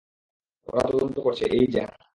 ওরা তদন্ত করছে, এই যা।